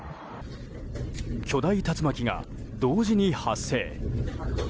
巨大竜巻が同時に発生。